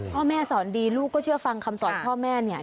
พ่อแม่สอนดีลูกก็เชื่อฟังคำสอนพ่อแม่เนี่ย